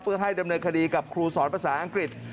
เพื่อให้ดำเนินคดีกับครูสอนภาษาอังกฤษ